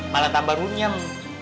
malah tambah runyam